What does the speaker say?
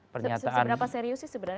pernyataan sebenarnya seberapa serius sih